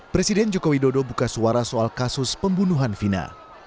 presiden joko widodo buka suara soal kasus pembunuhan vina